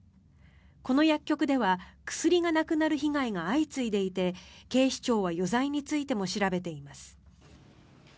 この薬局では薬がなくなる被害が相次いでいて警視庁は余罪についても調べています。